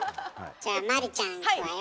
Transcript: じゃあ麻里ちゃんいくわよ。